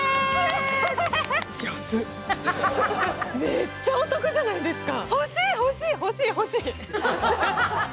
めっちゃお得じゃないですか！